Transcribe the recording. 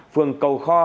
phường cầu kho